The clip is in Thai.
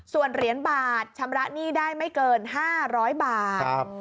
ส่วนเหรียญบาทชำระหนี้ได้ไม่เกิน๕๐๐บาท